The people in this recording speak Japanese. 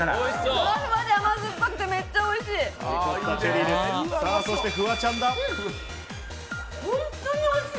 ふわふわで、甘酸っぱくてめっちゃおいしい！